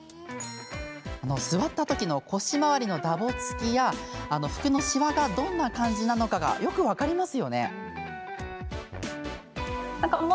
座ったときの腰回りのダボつきや服のしわがどんな感じなのかよく分かります。